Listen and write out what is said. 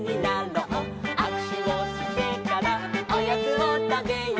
「あくしゅをしてからおやつをたべよう」